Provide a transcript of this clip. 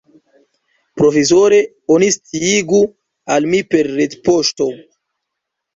Provizore oni sciigu al mi per retpoŝto.